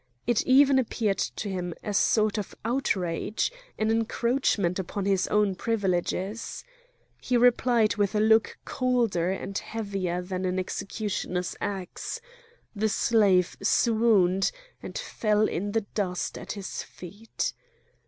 It even appeared to him a sort of outrage, an encroachment upon his own privileges. He replied with a look colder and heavier than an executioner's axe; the slave swooned and fell in the dust at his feet.